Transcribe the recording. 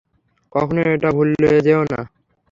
কখনও এটা ভুলে যেয়ো না।